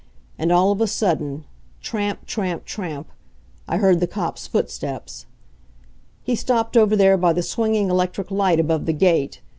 And all of a sudden tramp, tramp, tramp I heard the cop's footsteps. He stopped over there by the swinging electric light above the gate.